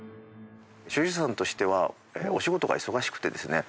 所有者さんとしてはお仕事が忙しくてですね